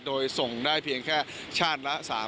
โดยทรงได้เพียงแค่ชาติละ